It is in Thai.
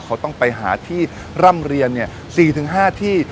เขาต้องไปหาที่ร่ำเรียน๔๕ที่